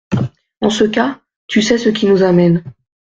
En ce cas, tu sais ce qui nous amène.